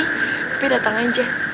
tapi datang aja